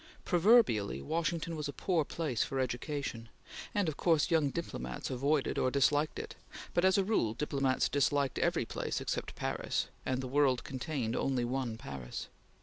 Proverbially Washington was a poor place for education, and of course young diplomats avoided or disliked it, but, as a rule, diplomats disliked every place except Paris, and the world contained only one Paris.